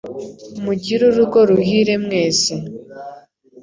mugire urugo ruhire mwese